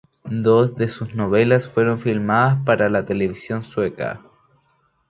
Dos de sus novelas fueron filmadas para la televisión sueca.